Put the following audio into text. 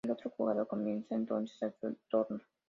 El otro jugador comienza entonces su turno.